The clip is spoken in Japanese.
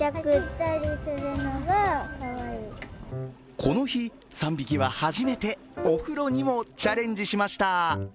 この日、３匹は初めてお風呂にもチャレンジしました。